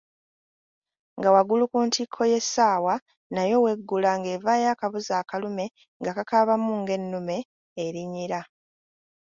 Nga waggulu ku ntikko y’essaawa nayo weggula ng’evaayo akabuzi akalume nga kakaabamu ng’ennume erinnyira.